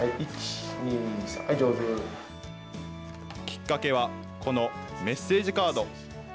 きっかけは、このメッセージカード。